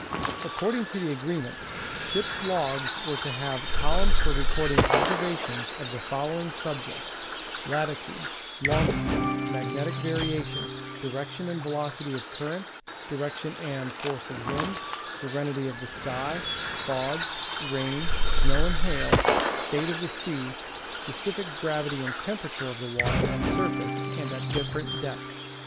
According to the agreement, ships' logs were to have columns for recording observations of the following subjects : latitude, longitude, mag netic variation, direction and velocity of currents, direction and force of wind, serenity of the sky, fog, rain, snow and hail, state of the sea, specific gravity and temperature of the water at the surface and at different depths.